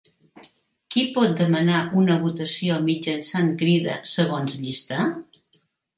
Qui pot demanar una votació mitjançant crida segons llista?